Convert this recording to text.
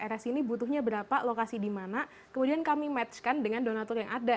rs ini butuhnya berapa lokasi di mana kemudian kami match kan dengan donatur yang ada